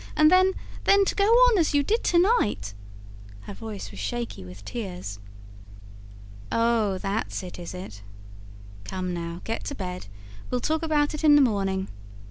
and then ... then, to go on as you did to night." Her voice was shaky with tears. "Oh, that's it, is it? Come now, get to bed. We'll talk about it in the morning."